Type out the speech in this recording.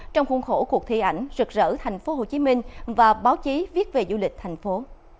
trong khuôn khổ cuộc thi ảnh rực rỡ tp hcm và báo chí viết về du lịch thành phố